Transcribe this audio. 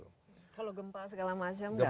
kalau gempa segala macam nggak akan